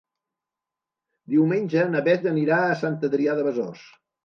Diumenge na Beth anirà a Sant Adrià de Besòs.